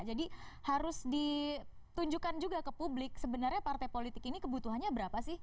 jadi harus ditunjukkan juga ke publik sebenarnya partai politik ini kebutuhannya berapa sih